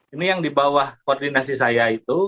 ini yang di bawah koordinasi saya itu